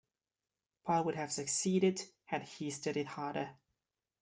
Paul would have succeeded had he studied harder.